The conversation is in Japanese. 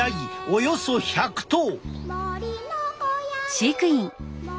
およそ１００頭！